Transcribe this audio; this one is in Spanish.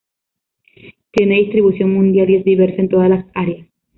Tiene distribución mundial y es diversa en todas las áreas.